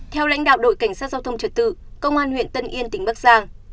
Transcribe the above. theo lãnh đạo đội cảnh sát giao thông trật tự công an huyện tân yên tỉnh bắc giang